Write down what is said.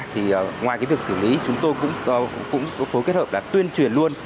thì ngoài việc xử lý chúng tôi cũng phối kết hợp là tuyên truyền luôn